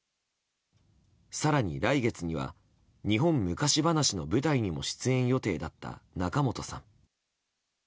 更に、来月には「日本昔ばなし」の舞台にも出演予定だった仲本さん。